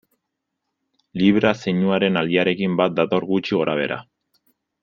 Libra zeinuaren aldiarekin bat dator gutxi gorabehera.